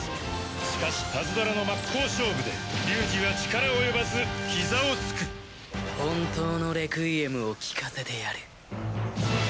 しかしパズドラの真っ向勝負で龍二は力及ばず膝をつく本当のレクイエムを聞かせてやる。